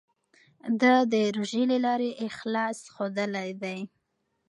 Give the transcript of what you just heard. ده د روژې له لارې اخلاص ښودلی دی.